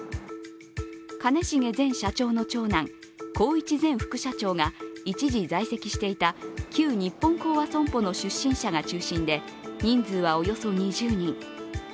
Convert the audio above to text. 兼重前社長の長男宏一前副社長が一時在籍していた旧日本興亜損保の出身者が中心で、人数はおよそ２０人。